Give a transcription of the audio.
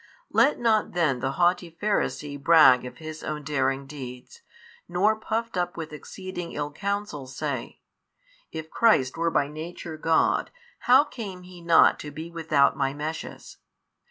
Let not then the haughty Pharisee brag of his own daring deeds, nor puffed up with exceeding ill counsel say, If Christ were by Nature God, how came He not to be without my meshes?